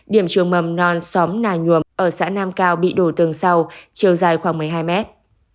điểm trường mầm non xóm nà nhuồm ở xã nam cao bị đổ tường sau chiều dài khoảng một mươi hai mét